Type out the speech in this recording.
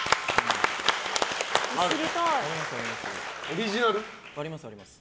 オリジナル？あります、あります。